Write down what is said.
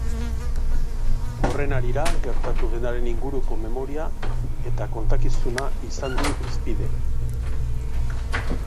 Horren harira, gertatu denaren inguruko memoria eta kontakizuna izan du hizpide.